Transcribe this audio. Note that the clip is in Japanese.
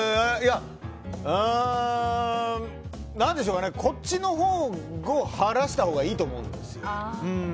うーん何でしょうかこっちのほうを晴らしたほうがいいと思うんですよ。